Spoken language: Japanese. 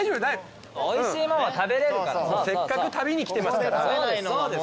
せっかく旅に来てますから。